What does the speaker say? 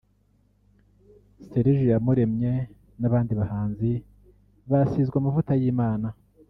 Serge Iyamuremye n’abandi bahanzi basizwe amavuta y’Imana